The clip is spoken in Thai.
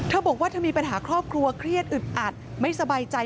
บอกว่าเธอมีปัญหาครอบครัวเครียดอึดอัดไม่สบายใจ